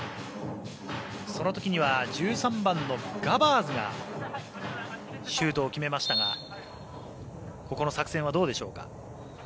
その時には１３番のガバーズがシュートを決めましたがここの作戦はどうでしょうか。